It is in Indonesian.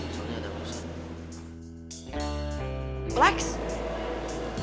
soalnya ada urusan